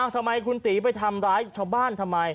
ทำไมคุณตีไปทำร้ายชาวบ้านทำไม